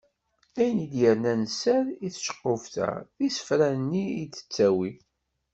Ayen i d-yernan sser i tceqquft-a, d isefra-nni i d-tettawi.